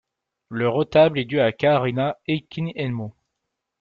Le retable est dû à Kaarina Heikinheimo.